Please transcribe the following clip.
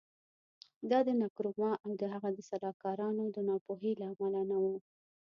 دا د نکرومه او د هغه د سلاکارانو د ناپوهۍ له امله نه و.